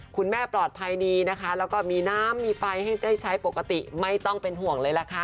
คุณแม่ปลอดภัยดีนะคะแล้วก็มีน้ำมีไฟให้ได้ใช้ปกติไม่ต้องเป็นห่วงเลยล่ะค่ะ